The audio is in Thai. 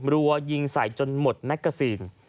รัวยิงใส่จนหมดแมกกาซีน